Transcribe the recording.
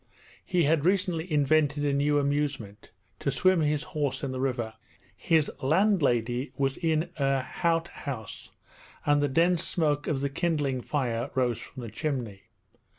(He had recently invented a new amusement: to swim his horse in the river.) His landlady was in her outhouse, and the dense smoke of the kindling fire rose from the chimney.